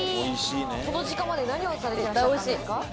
この時間まで何をされてらっしゃったんですか？